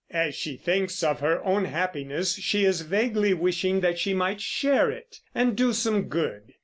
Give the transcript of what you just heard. As she thinks of her own happiness she is vaguely wishing that she might share it, and do some good.